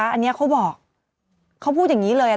อันนี้เขาบอกเขาพูดอย่างนี้เลย